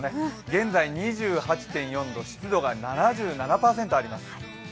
現在、２８．４度、湿度が７７％あります。